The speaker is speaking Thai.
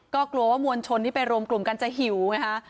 ก็กลัวว่ามวลชนที่ไปรวมกลุ่มกันจะหิวไงฮะ